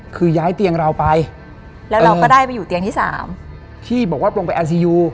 คือย้ายเตียงเราไปแล้วเราก็ได้ไปอยู่เตียงที่สามที่บอกว่าลงไปแอนซียู